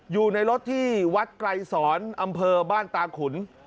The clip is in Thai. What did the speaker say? อยู่ในรถที่วัดไกรศรอำเภอบ้านตาขุน